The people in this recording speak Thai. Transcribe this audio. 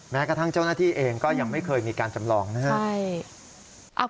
แม้กระทั่งเจ้าหน้าที่เองก็ยังไม่เคยมีการจำลองนะครับ